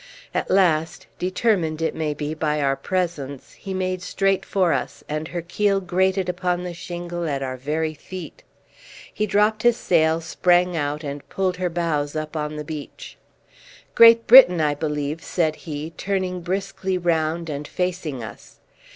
At last, determined it may be by our presence, he made straight for us, and her keel grated upon the shingle at our very feet. He dropped his sail, sprang out, and pulled her bows up on the beach. "Great Britain, I believe?" said he, turning briskly round and facing us.